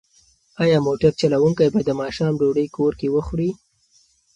ایا موټر چلونکی به د ماښام ډوډۍ کور کې وخوري؟